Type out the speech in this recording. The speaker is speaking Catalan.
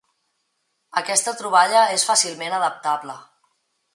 Aquesta troballa és fàcilment adaptable.